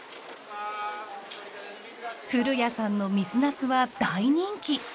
古谷さんの水ナスは大人気！